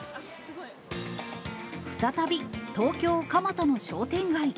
再び東京・蒲田の商店街。